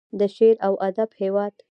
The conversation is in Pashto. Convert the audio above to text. د شعر او ادب هیواد.